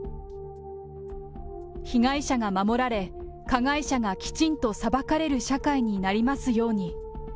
被害者が守られ、加害者がきちんと裁かれる社会になりますように。